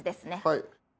はい。